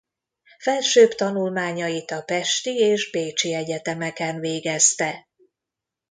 Felsőbb tanulmányait a pesti és bécsi egyetemeken végezte.